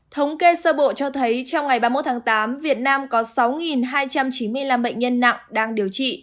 thống kê sơ bộ cho thấy trong ngày ba mươi một tháng tám việt nam có sáu hai trăm chín mươi năm bệnh nhân nặng đang điều trị